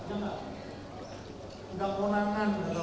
selama kpk tidak bisa membuktikannya